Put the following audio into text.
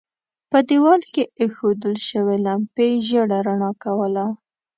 په دېوال کې اېښودل شوې لمپې ژېړه رڼا کوله.